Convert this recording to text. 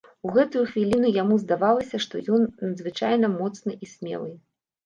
У гэтую хвіліну яму здавалася, што ён надзвычайна моцны і смелы.